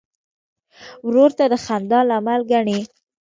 ورور ته د خندا لامل ګڼې.